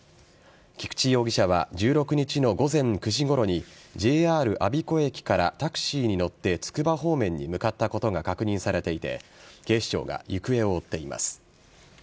菊池容疑者は１６日の午前９時ごろにＪＲ安孫子駅からタクシーに乗ってつくば方面に向かったことが確認されていて警視庁が行方を追っています。